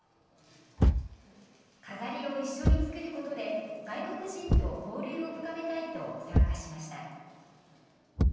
飾りを一緒に作ることで外国人と交流を深めたいと参加しました。